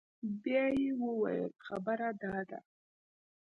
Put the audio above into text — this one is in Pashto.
بيا يې وويل خبره دا ده.